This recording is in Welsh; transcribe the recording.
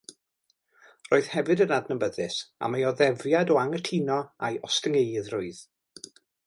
Roedd hefyd yn adnabyddus am ei oddefiad o anghytuno a'i ostyngeiddrwydd.